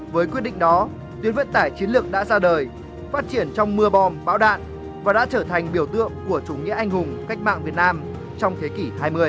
với quyết định đó tuyến vận tải chiến lược đã ra đời phát triển trong mưa bom bão đạn và đã trở thành biểu tượng của chủ nghĩa anh hùng cách mạng việt nam trong thế kỷ hai mươi